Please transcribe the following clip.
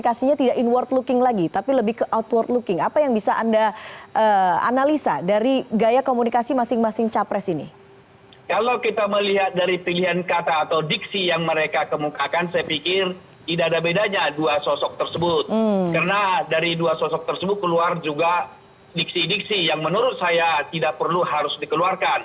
karena dari dua sosok tersebut keluar juga diksi diksi yang menurut saya tidak perlu harus dikeluarkan